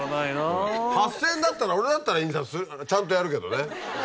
８０００円だったら俺だったら印刷するちゃんとやるけどね。